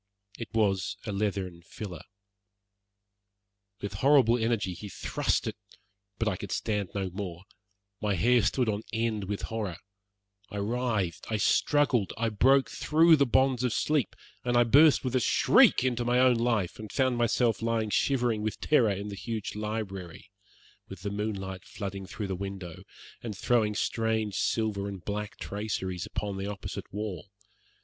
It was a leathern filler. With horrible energy he thrust it but I could stand no more. My hair stood on end with horror. I writhed, I struggled, I broke through the bonds of sleep, and I burst with a shriek into my own life, and found myself lying shivering with terror in the huge library, with the moonlight flooding through the window and throwing strange silver and black traceries upon the opposite wall.